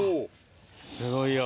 すごいよ。